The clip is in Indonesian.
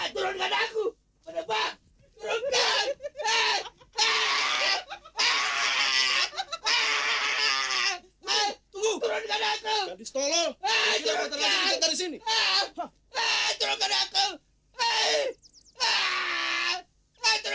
turun ke atas aku